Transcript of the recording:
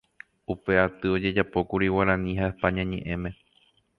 Upe aty ojejapókuri Guarani ha España ñeʼẽme.